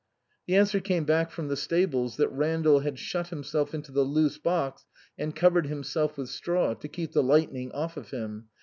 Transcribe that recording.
The answer came back from the stables that Randall had shut himself into the loose box and covered himself with straw, "to keep the lightning off of him.